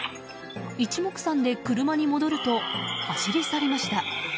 一目散で車に戻ると走り去りました。